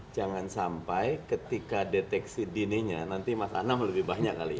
jangan sampai ketika deteksi dininya nanti mas anam lebih banyak kali ya